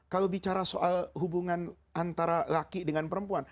kalau bicara soal hubungan antara laki dengan perempuan